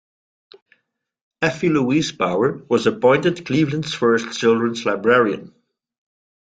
Effie Louise Power was appointed Cleveland's first children's librarian.